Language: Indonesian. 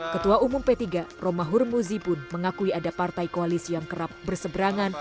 ketua umum p tiga romahur muzi pun mengakui ada partai koalisi yang kerap berseberangan